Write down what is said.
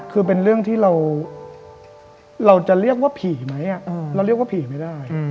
คือเป็นเรื่องที่เราจะเรียกว่าผีไหมเราเรียกว่าผีไม่ได้